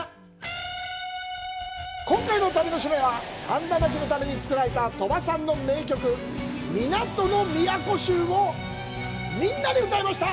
今回の旅の締めは、苅田町のために作られた鳥羽さんの名曲「港の美夜古衆」をみんなで歌いました。